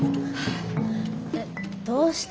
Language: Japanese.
えっどうした？